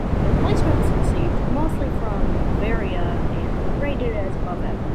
The replacements received were mostly from Bavaria and were rated as above-average.